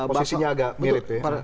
posisinya agak mirip ya